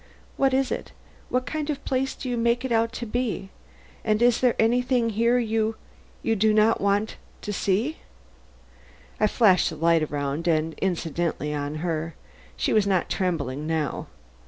"What is it? What kind of place do you make it out to be; and is there anything here you do not want to see?" I flashed the light around and incidentally on her. She was not trembling now.